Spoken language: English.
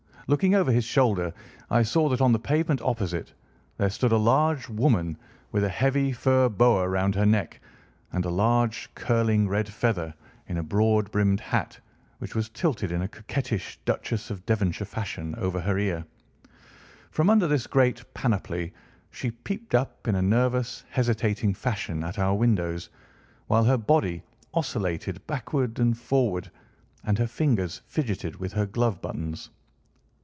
Looking over his shoulder, I saw that on the pavement opposite there stood a large woman with a heavy fur boa round her neck, and a large curling red feather in a broad brimmed hat which was tilted in a coquettish Duchess of Devonshire fashion over her ear. From under this great panoply she peeped up in a nervous, hesitating fashion at our windows, while her body oscillated backward and forward, and her fingers fidgeted with her glove buttons.